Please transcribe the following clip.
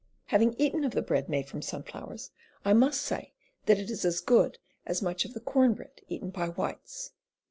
Having eaten of the bread made from sunflowers, I must say that it is as good as much of the corn bread eaten by whites."